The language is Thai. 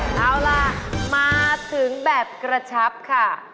เอาล่ะมาถึงแบบกระชับค่ะ